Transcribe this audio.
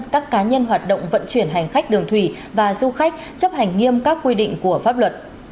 các cá nhân hoạt động vận chuyển hành khách đường thủy và du khách chấp hành nghiêm các quy định của pháp luật